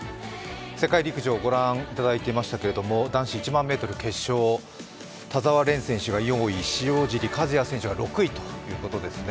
世界陸上ご覧いただいていましたけれども男子１万メートル決勝、田澤廉選手が４位塩尻和也選手が６位ということですね。